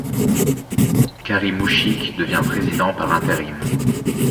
Karim Ouchikh devient président par intérim.